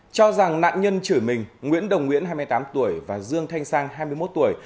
cho rằng nạn nhân chửi mình nguyễn đồng nguyễn hai mươi tám tuổi và dương thanh sang hai mươi một tuổi